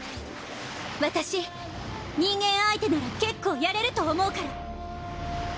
私人間相手なら結構やれると思うから。